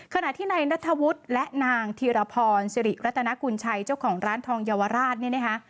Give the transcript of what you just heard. ขณะที่ในนัทวุฒิและนางธีรพรสิริรัตนกุญชัยเจ้าของร้านทองยาวราช